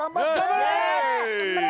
・頑張れ！